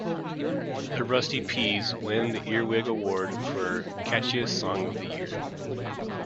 The Rusty Ps win the "Earwig Award" for catchiest song of the year.